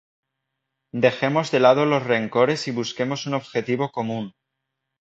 Dejemos de lado los rencores y busquemos un objetivo común.